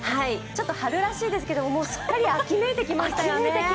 春らしいですけど、すっかり秋めいてきましたよね。